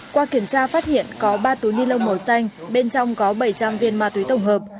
qua kiểm tra phát hiện có ba túi ni lông màu xanh bên trong có bảy trăm linh viên ma túy tổng hợp